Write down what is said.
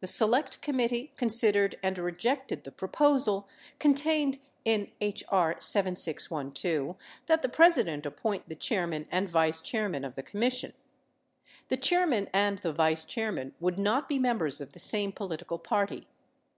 The Select Committee consid ered and rejected the proposal (contained in H.R. 7612) that the Presi dent appoint the chairman and vice chairman of the Commission. The chairman and the vice chairman would not be members of the same political party.